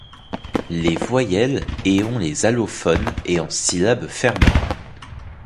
Les voyelles et ont les allophones et en syllabe fermée.